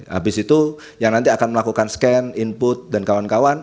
habis itu yang nanti akan melakukan scan input dan kawan kawan